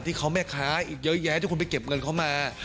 ที่เขาแม่ค้าอีกเยอะแยะที่คุณไปเก็บเงินเขามา